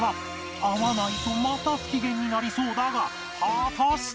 合わないとまた不機嫌になりそうだが果たして？